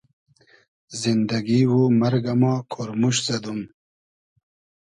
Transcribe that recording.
زیندئگی و مئرگۂ ما کۉرموشت زئدوم